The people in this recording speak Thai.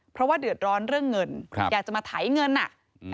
เพราะว่าเดือดร้อนเรื่องเงินอยากจะมาไถเงินอ่ะ